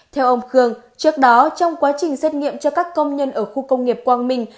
theo ông khương trước đó trong quá trình xét nghiệm cho các công nhân ở khu công nghiệp quang minh